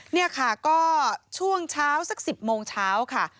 นี่ค่ะก็ช่วงเช้าสัก๑๐โมงเช้าค่ะ